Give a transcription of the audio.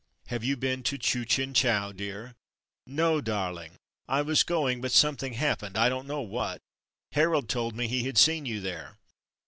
"Have you been to Chu Chin Chow, dear?'' "No, darUng; I was going but something happened, I don't know what. Harold told me he had seen you there."